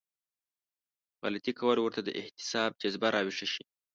غلطي کول ورته د احتساب جذبه راويښه شي.